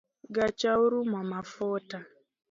Gacha orumo mafuta